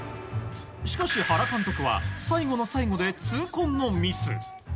しかし、原監督は最後の最後で痛恨のミス。